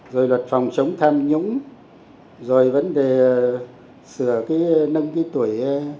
rồi luật phòng chống tham nhũng rồi vấn đề sửa cái nâng cái tuổi